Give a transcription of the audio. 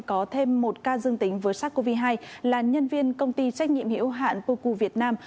có thêm một ca dương tính với sars cov hai là nhân viên công ty trách nhiệm hiểu hạn puku việt nam